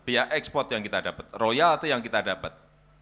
biaya ekspor yang kita dapat royal itu yang kita dapat